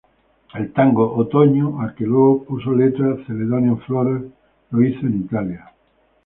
El tango "Otoño", al que luego puso letra Celedonio Flores lo hizo en Italia.